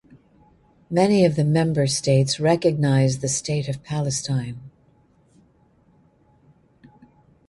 Many of the member states recognise the State of Palestine.